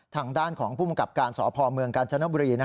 ทางด้านของภูมิกับการสพเมืองกาญจนบุรี